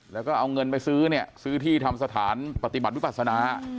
แล้วก็เอาเงินไปซื้อเนี่ยซื้อที่ทำสถานปฏิบัติวิปัสนา